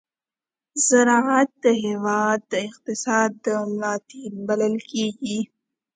ز راعت د هېواد د اقتصاد د ملا تېر بلل کېږي.